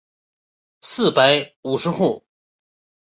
四百五十户。